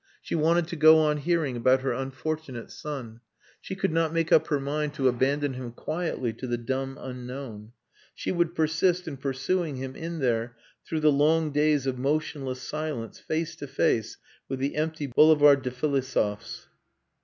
She wanted to go on hearing about her unfortunate son. She could not make up her mind to abandon him quietly to the dumb unknown. She would persist in pursuing him in there through the long days of motionless silence face to face with the empty Boulevard des Philosophes.